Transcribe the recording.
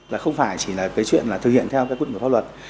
là không phải chỉ là cái chuyện là thực hiện theo các quyết định pháp luật